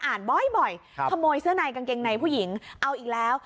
อ่านบ่อยบ่อยครับขโมยเสื้อในกางเกงในผู้หญิงเอาอีกแล้ว